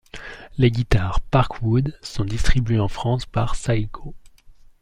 Les guitares Parkwood sont distribués en France par Saico.